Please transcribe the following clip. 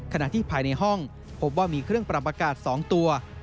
ขณะที่ภายในห้องพบว่ามีเครื่องปรับอากาศ๒ตัว